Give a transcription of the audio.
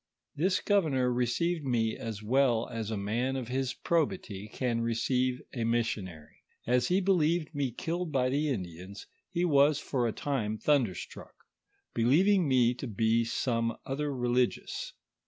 This governor received me as well as a man of his probity can receive e missionary. As he believed me killed by the Indians, he was for a time thunderstruck, be lieving me to be some other religious.